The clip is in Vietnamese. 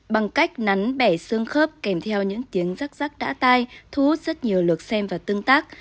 bằng cách nắn bẻ xương khớp kèm theo những tiếng rắc rắc đã tai thu hút rất nhiều lượt xem và tương tác